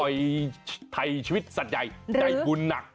ไทยชีวิตสัตว์ใหญ่ใจบุญหนัก